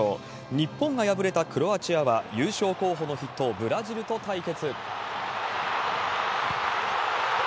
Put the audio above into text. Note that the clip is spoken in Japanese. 日本が敗れたクロアチアは、優勝候補の筆頭、ブラジルと対決。